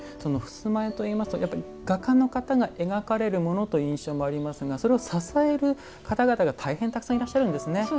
襖絵といいますと画家の方が描かれるものという印象もありますがそれを支える方々が大変たくさんいらっしゃるんですね。